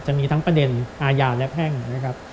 จะมีทั้งประเด็นอาญาและแพ่งนะครับ